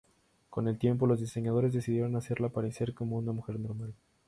Con el tiempo, los diseñadores decidieron hacerla parecer como una mujer normal.